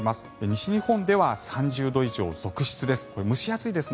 西日本では３０度以上続出です。